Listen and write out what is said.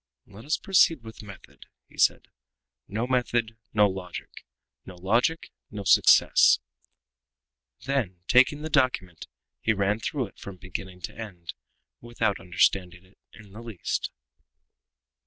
"Let us proceed with method," he said. "No method, no logic; no logic, no success." Then, taking the document, he ran through it from beginning to end, without understanding it in the least.